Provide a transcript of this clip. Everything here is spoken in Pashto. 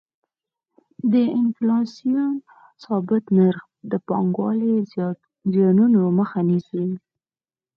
د انفلاسیون ثابت نرخ د پانګونې زیانونو مخه نیسي.